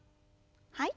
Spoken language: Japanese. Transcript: はい。